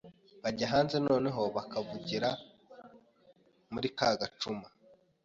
bajya hanze noneho bakavugira muri ka gacuma